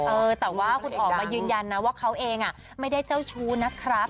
เออแต่ว่าคุณออกมายืนยันนะว่าเขาเองไม่ได้เจ้าชู้นะครับ